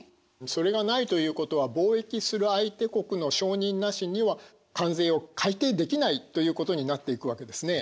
それがないということは貿易する相手国の承認なしには関税を改定できないということになっていくわけですね。